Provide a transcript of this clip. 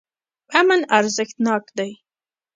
امن ارزښتناک دی.